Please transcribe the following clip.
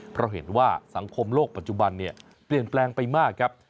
เพราะเห็นว่าสังคมโลกปัจจุบันเนี่ยเปลี่ยนแปลงไปมากครับ